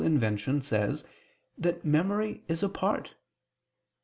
ii) says that memory is a part.